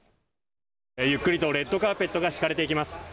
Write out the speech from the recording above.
ゆっくりとレッドカーペットが敷かれていきます。